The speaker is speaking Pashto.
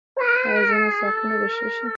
ایا زما ساقونه به ښه شي؟